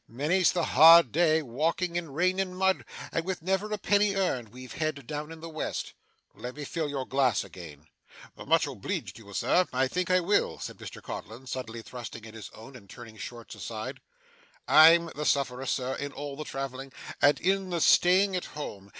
Many's the hard day's walking in rain and mud, and with never a penny earned, we've had down in the West.' 'Let me fill your glass again.' 'Much obleeged to you sir, I think I will,' said Mr Codlin, suddenly thrusting in his own and turning Short's aside. 'I'm the sufferer, sir, in all the travelling, and in all the staying at home.